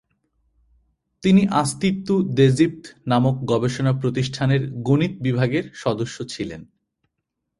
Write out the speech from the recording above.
তিনি আঁস্তিত্যু দেজিপ্ত নামক গবেষণা প্রতিষ্ঠানের গণিত বিভাগের সদস্য ছিলেন।